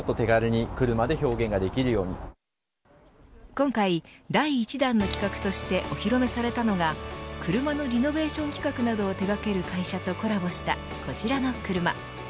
今回、第１弾の企画としてお披露目されたのが車のリノベーション企画などを手掛ける会社とコラボしたこちらの車。